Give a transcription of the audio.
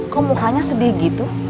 kok mukanya sedih gitu